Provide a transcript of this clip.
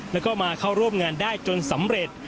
แล้วก็มาเข้าร่วมงานได้จนสำเร็จ